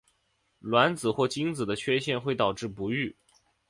卵子或精子的缺陷会导致不育。